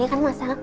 iya kan masal